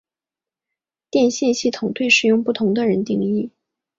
电信系统对使用不同的定义。